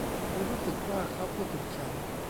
ฉันรู้สึกว่าเค้าพูดถึงฉัน